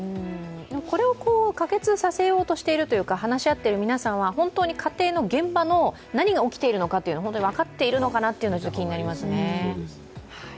これを可決させようとしているというか話し合っている皆さんは本当に家庭の現場の何が起きているのかというのを本当に分かっているのかなというのが気になりますね。